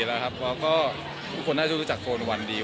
คุณแม่น้องให้โอกาสดาราคนในผมไปเจอคุณแม่น้องให้โอกาสดาราคนในผมไปเจอ